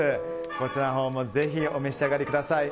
こちらのほうもぜひお召し上がりください。